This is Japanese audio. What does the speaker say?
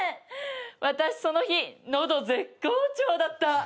私その日のど絶好調だった。